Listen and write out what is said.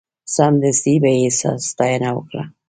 سمدستي به یې ستاینه وکړه.